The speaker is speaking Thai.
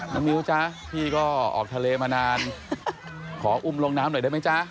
มิ้วจ๊ะพี่ก็ออกทะเลมานานขออุ้มลงน้ำหน่อยได้ไหมจ๊ะ